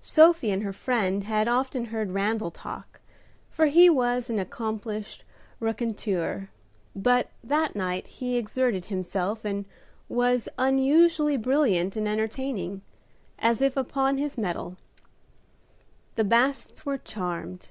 Sophie and her friend had often heard Randal talk, for he was an accomplished raconteur, but that night he exerted himself, and was unusually brilliant and entertaining, as if upon his mettle. The Bassets were charmed.